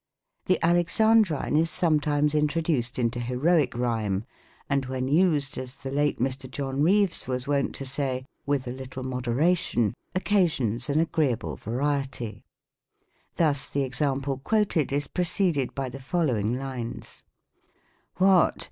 The Alexandrine is sometimes introduced into heroic ' rhyme, and when used, as the late Mr. John Reeve was wont to say, " with a little moderation," occasions an agreeable variety. Thus the example quoted is pre ceded by the following lines: — "What!